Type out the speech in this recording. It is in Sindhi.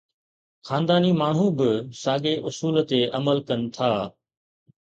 خانداني ماڻهو به ساڳئي اصول تي عمل ڪن ٿا.